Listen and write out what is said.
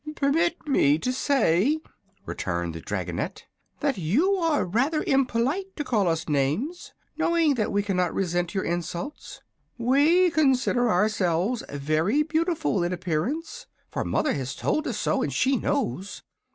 "Permit me to say," returned the dragonette, "that you are rather impolite to call us names, knowing that we cannot resent your insults. We consider ourselves very beautiful in appearance, for mother has told us so, and she knows.